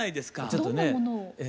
ちょっとねええ。